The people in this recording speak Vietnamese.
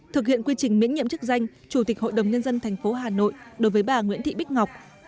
thực hiện quy trình miễn nhiệm chức danh chủ tịch hội đồng nhân dân thành phố hà nội đối với bà nguyễn thị bích ngọc